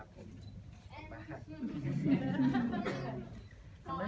ขอบคุณครับ